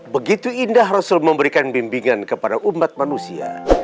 begitu indah rasul memberikan bimbingan kepada umat manusia